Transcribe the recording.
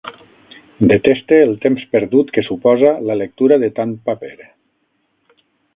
Deteste el temps perdut que suposa la lectura de tant paper.